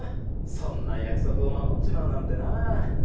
そんな約束を守っちまうなんてな。